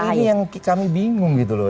nah ini yang kami bingung gitu loh